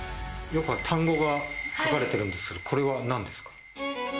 単語書かれてるんですけどこれは何ですか？